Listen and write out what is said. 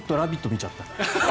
見ちゃった。